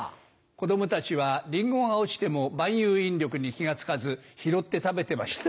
子供たちはリンゴが落ちても万有引力に気が付かず拾って食べてました。